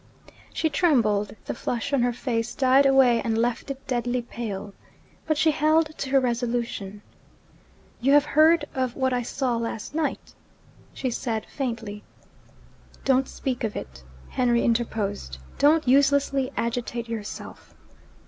She trembled, the flush on her face died away, and left it deadly pale. But she held to her resolution. 'You have heard of what I saw last night?' she said faintly. 'Don't speak of it!' Henry interposed. 'Don't uselessly agitate yourself.'